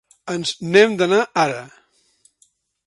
Ens n'hem d'anar ara.